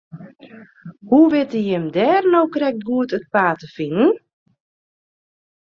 Hoe witte jim dêr no krekt goed it paad yn te finen?